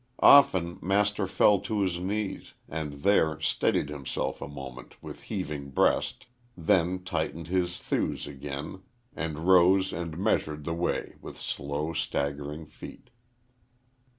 Often Master fell to his knees and there steadied himself a moment with heaving breast, then tightened his thews again and rose and measured the way with slow, staggering feet.